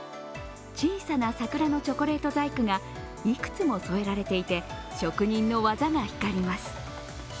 小さな桜のチョコレート細工がいくつも添えられていて職人の技が光ります。